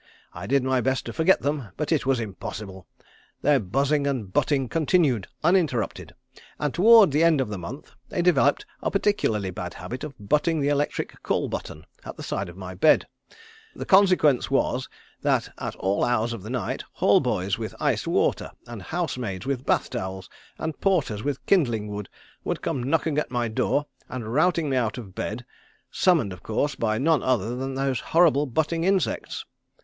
I did my best to forget them, but it was impossible. Their buzzing and butting continued uninterrupted, and toward the end of the month they developed a particularly bad habit of butting the electric call button at the side of my bed. The consequence was that at all hours of the night, hall boys with iced water, and house maids with bath towels, and porters with kindling wood would come knocking at my door and routing me out of bed summoned of course by none other than those horrible butting insects.